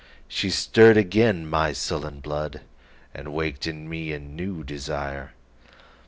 She stirred again my sullen blood, And waked in me a new desire.